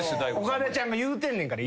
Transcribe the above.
岡田ちゃんが言うてんねんから。